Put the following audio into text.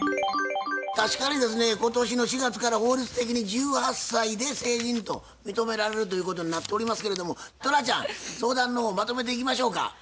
確かにですね今年の４月から法律的に１８歳で成人と認められるということになっておりますけれどもトラちゃん相談の方まとめていきましょうか。